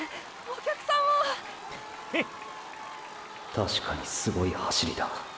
確かにすごい走りだ。